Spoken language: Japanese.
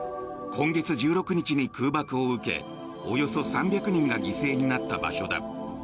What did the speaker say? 今月１６日に空爆を受けおよそ３００人が犠牲になった場所だ。